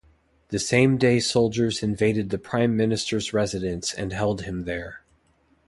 The same day soldiers invaded the Prime Minister's residence and held him there.